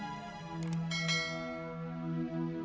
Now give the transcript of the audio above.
aku sudah berjalan